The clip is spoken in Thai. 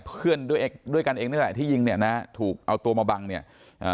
เพื่อนด้วยด้วยกันเองนี่แหละที่ยิงเนี่ยนะฮะถูกเอาตัวมาบังเนี่ยอ่า